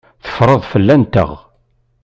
Teffreḍ fell-anteɣ.